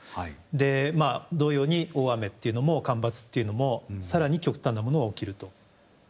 でまあ同様に大雨っていうのも干ばつっていうのもさらに極端なものが起きると。